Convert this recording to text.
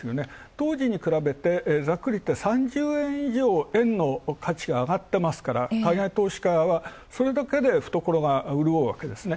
当時に比べてざっくりいって３０円以上、円の価値が上がってますから海外投資家はそれだけで懐が潤うわけですね。